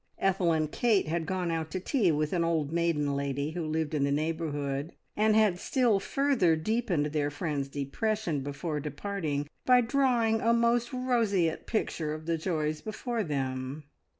Ethel and Kate had gone out to tea with an old maiden lady who lived in the neighbourhood, and had still further deepened their friend's depression before departing by drawing a most roseate picture of the joys before them.